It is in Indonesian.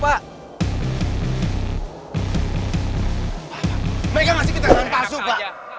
pak pak mereka masih kita tangan palsu pak